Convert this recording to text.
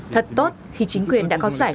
thật tốt khi chính quyền đã có giải